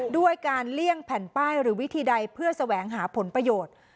ด้วยการเลี่ยงแผ่นป้ายหรือวิธีใดเพื่อแสวงหาผลประโยชน์